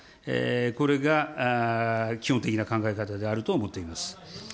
これが基本的な考え方であると思っています。